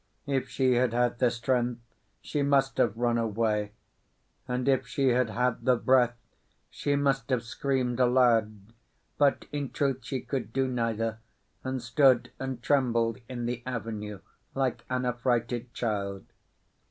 If she had had the strength, she must have run away, and if she had had the breath she must have screamed aloud; but, in truth, she could do neither, and stood and trembled in the avenue, like an affrighted child.